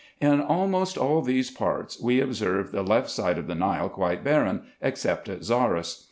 In almost all these parts we observed the left side of the Nile quite barren, except at Zarras.